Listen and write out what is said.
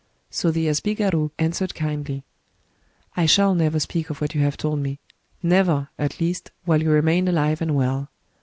So the asbigaru answered kindly: —" I shall never speak of what you have told me — never, at least, while you remain alive and well.